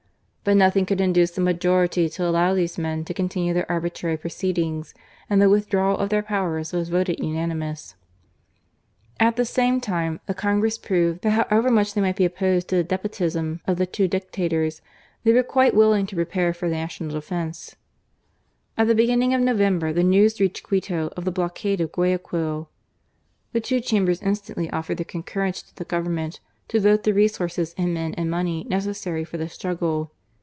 But nothing could induce the majority to allow these men to continue their arbi trary proceedings, and the withdrawal of their powers was voted unanimously. At the same time, the Congress proved that how ever much they might be opposed to the despotism of the two dictators, they were quite willing to prepare for national defence. At the beginning of November the news reached Quito of the blockade of Guayaquil. The two Chambers instantly offered their concur rence to the Government to vote the resources in men and money necessary for the struggle.